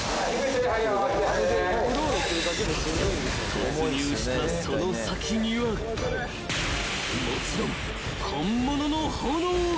［突入したその先にはもちろん本物の炎が］